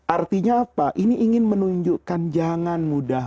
artinya apa ini ingin menunjukkan jangan mudah